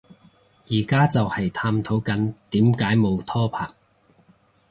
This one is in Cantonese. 而家就係探討緊點解冇拖拍